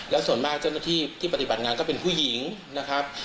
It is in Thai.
และส่วนมากเจ้าหน้าที่ที่ปฏิบัติงานก็เป็นผู้หญิงนะครับ